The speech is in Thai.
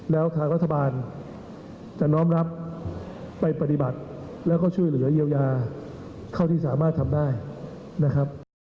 แล้วทางรัฐบาลจะน้อมรับไปปฏิบัติแล้วก็ช่วยเหลือเยียวยาเท่าที่สามารถทำได้นะครับ